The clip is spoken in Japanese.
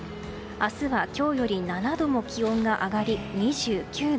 明日は今日より７度も気温が上がり２９度。